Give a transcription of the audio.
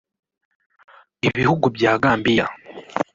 Ibihugu bya Gambiya